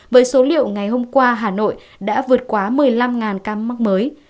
với số liệu ngày hôm qua hà nội đã vượt quá một mươi năm ca mắc mới